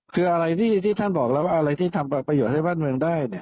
คือธ่านบอกอะไรที่ทำให้ประโยชน์ของเมืองได้